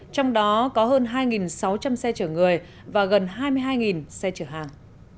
trong đó có hơn hai sáu trăm linh xe chở người và gần hai mươi hai xe chở hàng